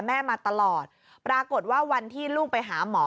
แม่มาตลอดปรากฏว่าวันที่ลูกไปหาหมอ